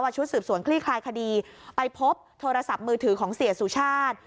ชุดสืบสวนคลี่คลายคดีไปพบโทรศัพท์มือถือของเสียสุชาติ